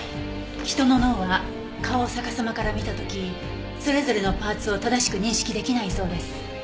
人の脳は顔を逆さまから見た時それぞれのパーツを正しく認識出来ないそうです。